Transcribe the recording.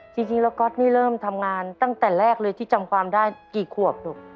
จริงแล้วก๊อตนี่เริ่มทำงานตั้งแต่แรกเลยที่จำความได้กี่ขวบลูก